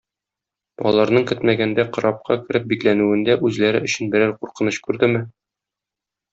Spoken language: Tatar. Аларның көтмәгәндә корабка кереп бикләнүендә үзләре өчен берәр куркыныч күрдеме?